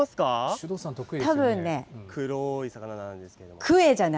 首藤さん、黒い魚なんですけど。